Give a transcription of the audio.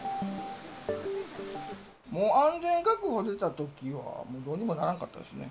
もう安全確保出たときは、どうにもならんかったですね。